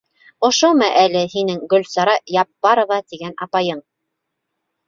Ошомо әле һинең Гөлсара Яппарова тигән апайың?